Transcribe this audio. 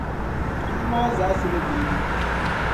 Bia maa zaɣisi li deebu.